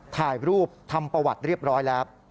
ถ่ายรูปทำประวัติเรียบร้อยแล้ว